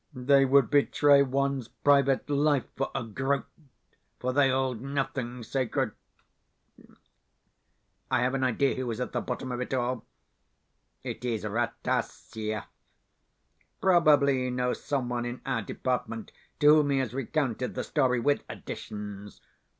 They would betray one's private life for a groat, for they hold nothing sacred. I have an idea who is at the bottom of it all. It is Rataziaev. Probably he knows someone in our department to whom he has recounted the story with additions.